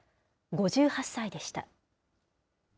５８歳でした。